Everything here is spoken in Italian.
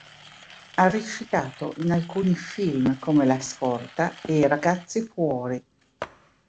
Ha recitato in alcuni film come "La scorta" e "Ragazzi fuori".